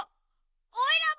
おいらも！